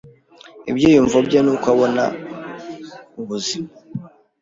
ibyiyumvo bye n’uko abona ubuzima.